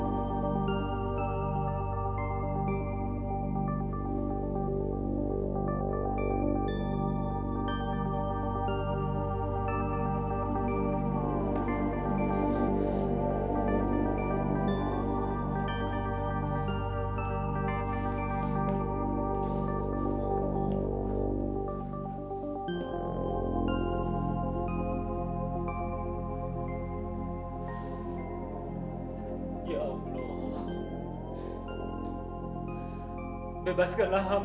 harus kita hidup semakinsemangat